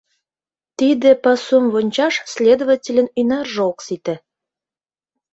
Тиде пасум вончаш следовательын ӱнарже ок сите.